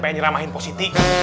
pengen diramahin pusiti